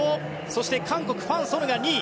そして、韓国ファン・ソヌが２位。